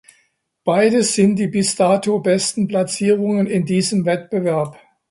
Beides sind die bis dato besten Platzierungen in diesem Wettbewerb.